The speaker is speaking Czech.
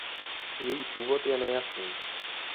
Její původ je nejasný.